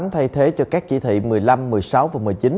thay thế cho các chỉ thị một mươi năm một mươi sáu và một mươi chín